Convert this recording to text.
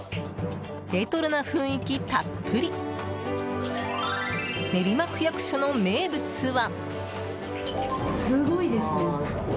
レトロな雰囲気たっぷり練馬区役所の名物は。